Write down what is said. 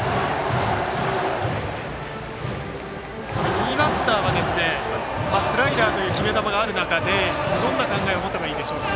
右バッターはスライダーという決め球がある中でどんな考えを持てばいいでしょうか。